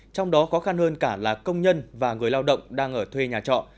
trong đó khó khăn hơn cả là công nhân và người lao động đang ở thuê nhà trọ